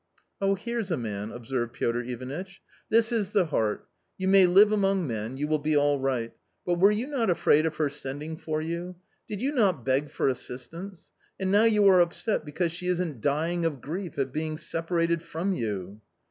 " Here's a man !" observed Piotr Ivanitch, " this is the heart ; you may live among men — you will be all right But were you not afraid of her sending for you ? did you not beg for assistance ? and now you are upset because she isn't dying of grief at being separated from you."